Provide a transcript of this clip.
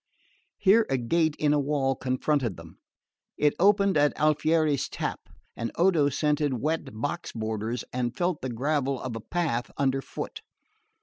Here a gate in a wall confronted them. It opened at Alfieri's tap and Odo scented wet box borders and felt the gravel of a path under foot.